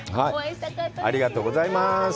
ありがとうございます。